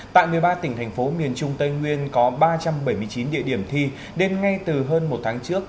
tại một mươi ba tỉnh thành phố miền trung tây nguyên có ba trăm bảy mươi chín địa điểm thi nên ngay từ hơn một tháng trước